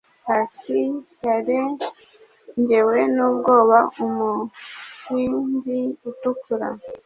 Hasi yarengewe n'ubwoba Umuzingi utukura